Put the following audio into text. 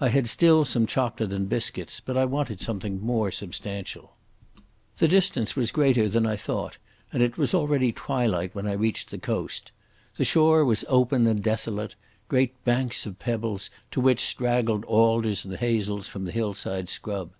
I had still some chocolate and biscuits, but I wanted something substantial. The distance was greater than I thought, and it was already twilight when I reached the coast. The shore was open and desolate—great banks of pebbles to which straggled alders and hazels from the hillside scrub.